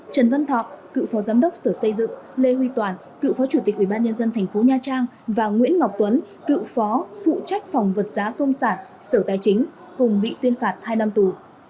trần văn thọ cựu phó giám đốc sở xây dựng lê huy toàn cựu phó chủ tịch ubnd tp nha trang và nguyễn ngọc tuấn cựu phó phụ trách phòng vật giá công sản sở tài chính cùng bị tuyên phạt hai năm tù